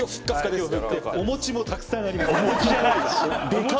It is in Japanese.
でかお餅もたくさんあります。